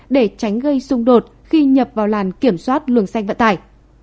để tránh gây xung đột khi nhập vào làn kiểm soát luồng xanh vận tải